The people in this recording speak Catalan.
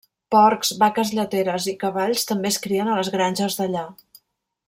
Porcs, vaques lleteres i cavalls també es crien a les granges d'allà.